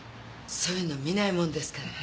そういうの見ないもんですから。